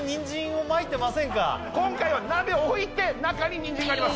今回は鍋を置いて中ににんじんがあります。